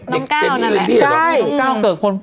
น้องก้าวไงเจนี่นั่นแหละใช่น้องก้าวเกิกคน